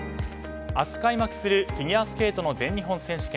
明日開幕するフィギュアスケートの全日本選手権。